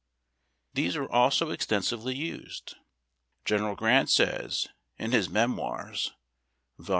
These were also extensively used. General Grant says, in his Memoirs (vol.